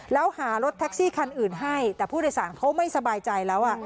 แล้วหารถแท็กซี่คันอื่นให้แต่ผู้โดยสารเขาไม่สบายใจแล้ว